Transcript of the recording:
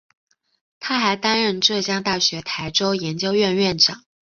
他还担任浙江大学台州研究院院长。